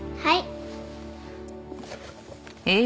はい。